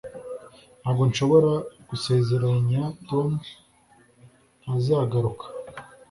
Ntabwo nshobora gusezeranya Tom ntazagaruka